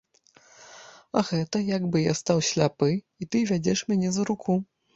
А гэта як бы я стаў сляпы і ты вядзеш мяне за руку.